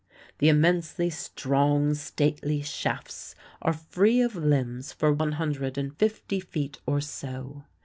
The immensely strong, stately shafts are free of limbs for one hundred and fifty feet or so.